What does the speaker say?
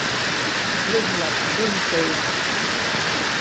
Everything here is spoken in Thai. ครึ่งหลับครึ่งตื่น